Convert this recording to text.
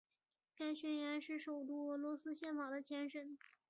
该宣言是首部俄罗斯宪法的前身。